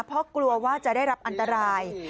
เพราะกลัวว่าจะได้รับอันตราย